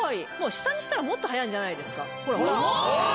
下にしたらもっと早いんじゃないですか？